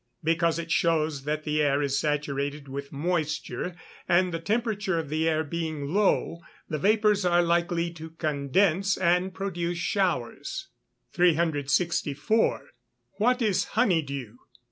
_ Because it shows that the air is saturated with moisture, and the temperature of the air being low, the vapours are likely to condense, and produce showers. 364. _What is honey dew?